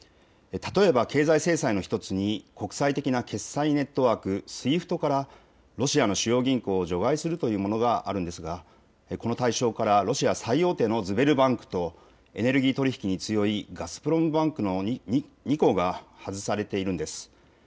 例えば経済制裁の１つに国際的な決済ネットワーク、ＳＷＩＦＴからロシアの主要銀行を除外するというものがあるんですがこの対象からロシア最大手のズベルバンクとエネルギー取り引きに強いガスプロムバンクの２行が外されているんです。